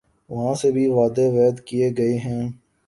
وہاں سے بھی وعدے وعید کیے گئے ہیں۔